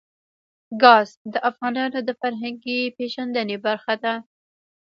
ګاز د افغانانو د فرهنګي پیژندنې برخه ده.